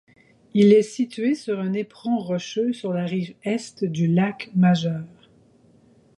Il est situé sur un éperon rocheux sur la rive Est du lac Majeur.